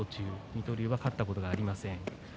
水戸龍が勝ったことがありません。